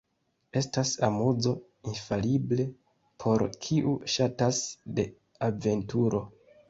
Estas amuzo infalible por kiu ŝatas de aventuro.